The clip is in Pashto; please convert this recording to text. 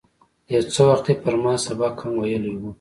یو څه وخت یې پر ما سبق هم ویلی و.